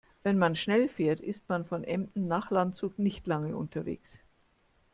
Wenn man schnell fährt, ist man von Emden nach Landshut nicht lange unterwegs